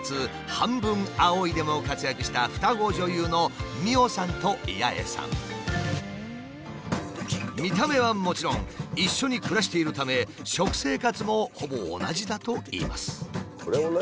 「半分、青い。」でも活躍した双子女優の見た目はもちろん一緒に暮らしているため食生活もほぼ同じだといいます。